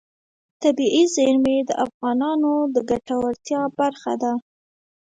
طبیعي زیرمې د افغانانو د ګټورتیا برخه ده.